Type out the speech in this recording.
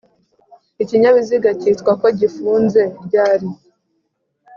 ikinyabiziga cyitwa ko gifunze ryari